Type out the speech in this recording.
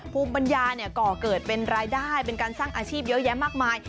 ภูมิปัญญาก่อเกิดเป็นรายได้เป็นการสร้างอาชีพเยอะแยะมากมาย